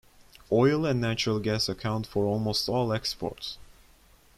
Oil and natural gas account for almost all exports.